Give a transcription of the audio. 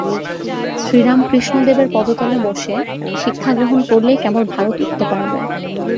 শ্রীরামকৃষ্ণদেবের পদতলে বসে শিক্ষা গ্রহণ করলেই কেবল ভারত উঠতে পারবে।